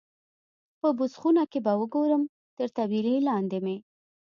په بوس خونه کې به وګورم، تر طبیلې لاندې مې.